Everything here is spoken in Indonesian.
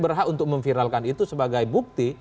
berhak untuk memviralkan itu sebagai bukti